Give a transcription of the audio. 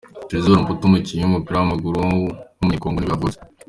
Trésor Mputu, umukinnyi w’umupira w’amaguru w’umunyekongo nibwo yavutse.